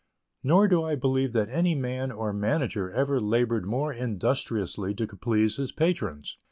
Nor do I believe that any man or manager ever labored more industriously to please his patrons.